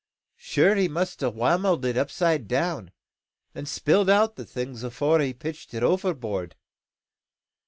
Sure he must a' whammelled it upside down, and spilled out the things afore he pitched it overboard.